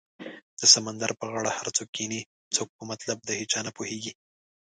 د سمندر په غاړه هر څوک کینې څوک په مطلب د هیچا نه پوهیږې